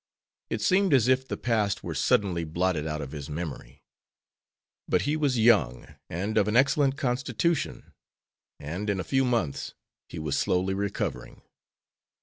It seemed as if the past were suddenly blotted out of his memory. But he was young and of an excellent constitution, and in a few months he was slowly recovering.